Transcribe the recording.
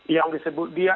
yang disebut dia